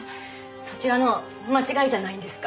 そちらの間違いじゃないんですか？